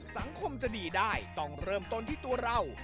สังคมจะดีได้ต้องเริ่มต้นที่ตัวเรา